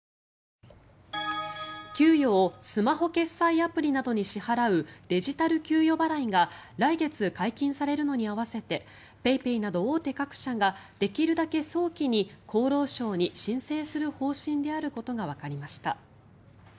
給与をスマホ決済アプリなどに支払うデジタル給与払いが来月解禁されるのに合わせてＰａｙＰａｙなど大手各社ができるだけ早期に厚労省に申請する方針であることがわかりました。